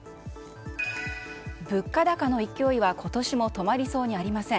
物価高の勢いは今年も止まりそうにありません。